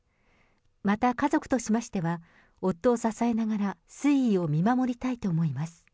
また、家族としましては、夫を支えながら、推移を見守りたいと思います。